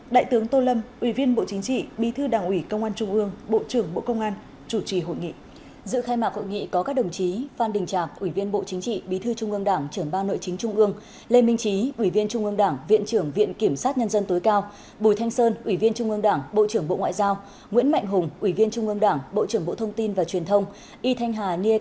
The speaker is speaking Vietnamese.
đại tướng tô lâm ủy viên bộ chính trị bí thư đảng ủy công an trung ương bộ trưởng bộ công an chủ trì hội nghị